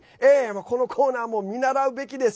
このコーナーも見習うべきです。